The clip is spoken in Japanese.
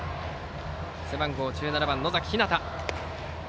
背番号１７番、野崎陽和太。